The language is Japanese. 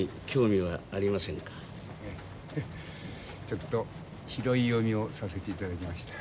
ちょっと拾い読みをさせて頂きました。